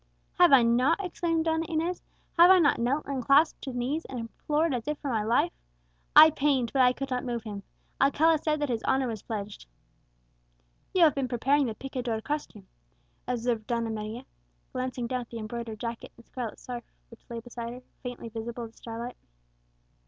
"Have I not?" exclaimed Donna Inez; "have I not knelt and clasped his knees, and implored as if for my life? I pained, but I could not move him; Alcala said that his honour was pledged." "You have been preparing the picador costume," observed Donna Maria, glancing down at the embroidered jacket and scarlet scarf which lay beside her, faintly visible in the starlight.